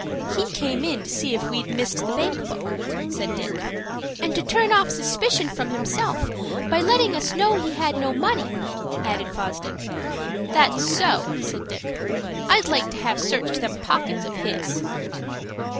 "He came in to see if we'd missed the bank book," said Dick. "And to turn off suspicion from himself, by letting us know he had no money," added Fosdick. "That's so," said Dick. "I'd like to have searched them pockets of his."